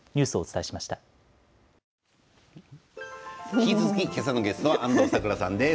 引き続き、今朝のゲストは安藤サクラさんです。